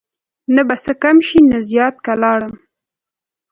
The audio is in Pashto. نه به څه کم شي نه زیات که لاړم